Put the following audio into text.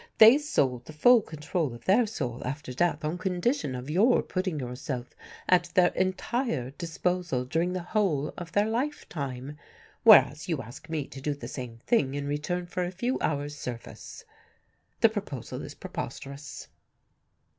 They sold the full control of their soul after death on condition of your putting yourself at their entire disposal during the whole of their lifetime, whereas you ask me to do the same thing in return for a few hours' service. The proposal is preposterous."